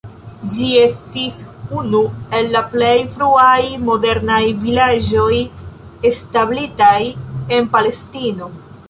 Ĝi estis unu el la plej fruaj modernaj vilaĝoj establitaj en Palestino.